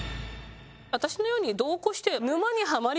私のように。